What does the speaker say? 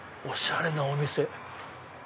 おしゃれなお店。